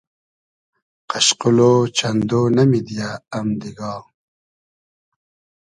قئشقولۉ چئندۉ نۂ میدیۂ ام دیگا